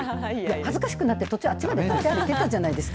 恥ずかしくなって、途中、あっちまで行ってたじゃないですか。